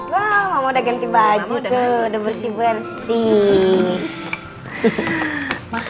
wow mama udah ganti baju tuh udah bersih bersih